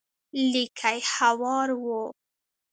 ليکي هوار و.